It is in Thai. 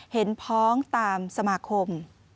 เห็นท้องตามสมาครม